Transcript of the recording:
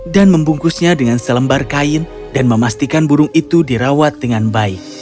dan membungkusnya dengan selembar kain dan memastikan burung itu dirawat dengan baik